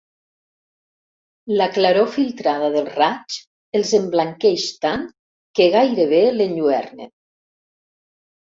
La claror filtrada dels raigs els emblanqueix tant que gairebé l'enlluernen.